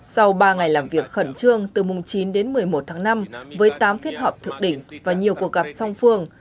sau ba ngày làm việc khẩn trương từ mùng chín đến một mươi một tháng năm với tám phiết họp thực định và nhiều cuộc gặp song phương